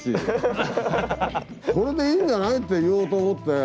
これでいいんじゃないって言おうと思って。